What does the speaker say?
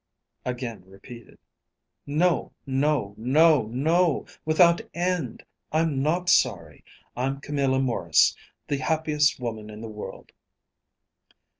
again repeated. "No! No! No! No, without end! I'm not sorry. I'm Camilla Maurice, the happiest woman in the world!"